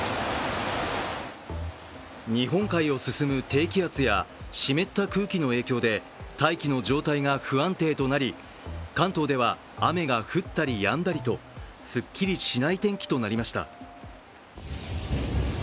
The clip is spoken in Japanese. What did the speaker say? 日本海を進む低気圧や湿った空気の影響で大気の状態が不安定となり、関東では雨が降ったりやんだりと、すっきりしない天気となりました。